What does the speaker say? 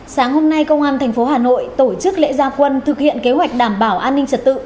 sáng hôm nay công an tp hà nội tổ chức lễ gia quân thực hiện kế hoạch đảm bảo an ninh trật tự